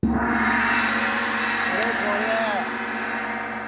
これこれ。